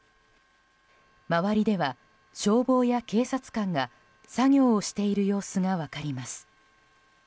周りでは消防や警察官が作業をしている様子が分かります。